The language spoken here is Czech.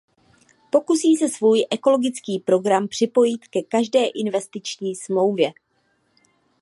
Pokusí se svůj ekologický program připojit ke každé investiční smlouvě.